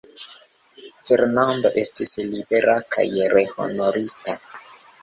Fernando estis libera kaj rehonorita.